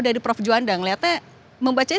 dari prof juanda ngeliatnya membacanya